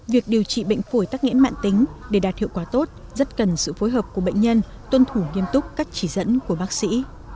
việc điều trị bệnh phổi tắc nghẽn mạng tính để đạt hiệu quả tốt rất cần sự phối hợp của bệnh nhân tuân thủ nghiêm túc các chỉ dẫn của bác sĩ